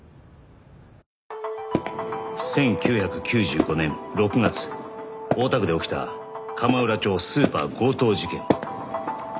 １９９５年６月大田区で起きた鎌浦町スーパー強盗事件。